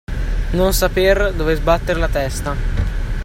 Non saper dove sbattere la testa.